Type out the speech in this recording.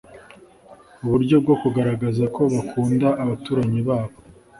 uburyo bwo kugaragaza ko bakunda abaturanyi babo